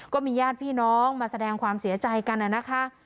ก็มีญาติพี่น้องมาแสดงความเสียใจกันนะคะ